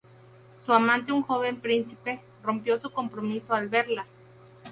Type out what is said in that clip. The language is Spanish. Su amante, un joven príncipe, rompió su compromiso al verla.